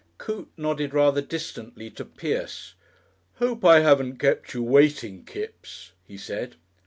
Coote nodded rather distantly to Pierce. "Hope I haven't kept you waiting, Kipps," he said.